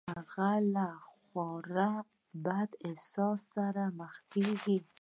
هغه له یوه خورا بد احساس سره مخ کېږي